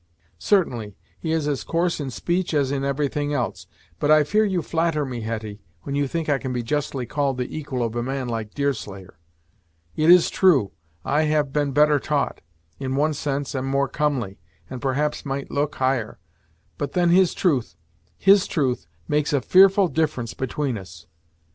"Certainly, he is as coarse in speech as in everything else. But I fear you flatter me, Hetty, when you think I can be justly called the equal of a man like Deerslayer. It is true, I have been better taught; in one sense am more comely; and perhaps might look higher; but then his truth his truth makes a fearful difference between us!